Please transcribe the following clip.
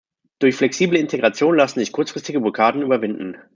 Durch flexible Integration lassen sich kurzfristige Blockaden überwinden.